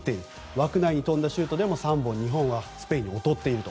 枠内に飛んだシュートでも３本、日本は劣っていると。